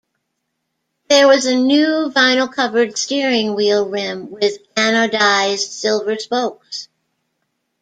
There was a new vinyl-covered steering wheel rim with anodised silver spokes.